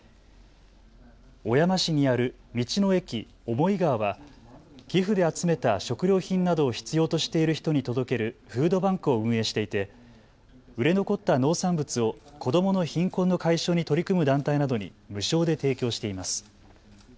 小山市にある道の駅、思川は寄付で集めた食料品などを必要としている人に届けるフードバンクを運営していて売れ残った農産物を子どもの貧困の解消に取り組む団体などに無償で提供しています。